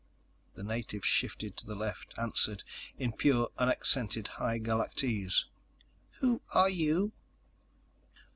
The native shifted to the left, answered in pure, unaccented High Galactese: "Who are you?"